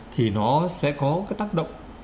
thì nó sẽ có cái tác động